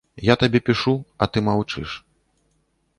Я табе пішу, а ты маўчыш.